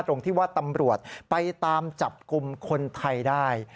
ตรงที่ว่าตำรวจไปตามจับกลุ่มคนไทยได้